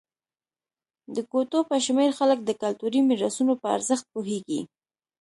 د ګوتو په شمېر خلک د کلتوري میراثونو په ارزښت پوهېږي.